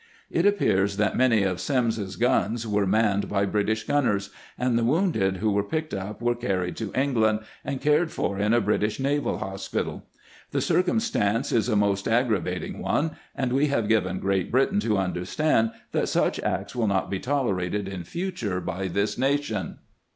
It appears that many of Semmes's guns were manned by British, gunners, and the wounded who were picked up were carried to England and cared for in a British naval hospital. The circumstance is a most aggravating one, and we have given Great Britain to un derstand that such acts will not be tolerated in future by this nation."